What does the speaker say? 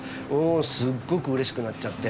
すっごくうれしくなっちゃって。